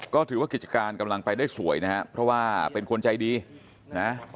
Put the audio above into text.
ก็ถือว่ากิจการกำลังไปได้สวยนะฮะเพราะว่าเป็นคนใจดีนะ